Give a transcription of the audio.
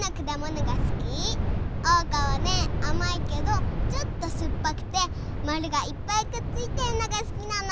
おうかはねあまいけどちょっとすっぱくてまるがいっぱいくっついてるのがすきなの！